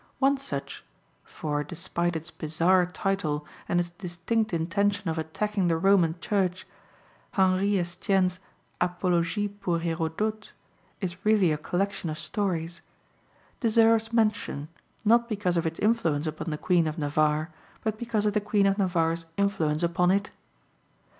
One such (for, despite its bizarre title and its distinct intention of attacking the Roman Church, Henry Estienne's Apologie pour Hérodote is really a collection of stories) deserves mention, not because of its influence upon the Queen of Navarre, but because of the Queen of Navarre's influence upon it.